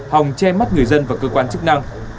hòng che mắt người dân và cơ quan chức năng